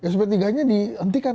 sp tiga nya dihentikan